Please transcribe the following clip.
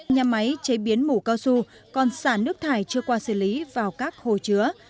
nhà máy chế biến mủ cao su còn xả nước thải chưa qua xử lý vào các hồ chứa